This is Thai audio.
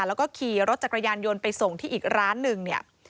แล้วก็ขี่รถจักรยานยนต์ไปส่งที่อีกร้านหนึ่งเนี่ย